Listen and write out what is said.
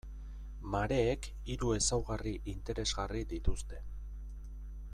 Mareek hiru ezaugarri interesgarri dituzte.